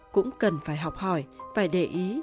cũng cần phải học hỏi phải để ý